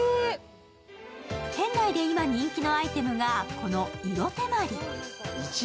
店内で今、人気のアイテムが、この彩手鞠。